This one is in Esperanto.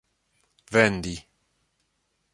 vendi